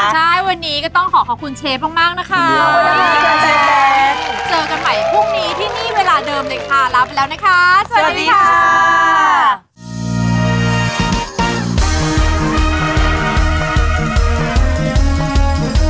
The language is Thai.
ใช่วันนี้ก็ต้องขอขอบคุณเชฟมากนะคะเจอกันใหม่พรุ่งนี้ที่นี่เวลาเดิมเลยค่ะลาไปแล้วนะคะสวัสดีค่ะ